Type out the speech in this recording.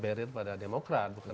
bukan berat pada demokrat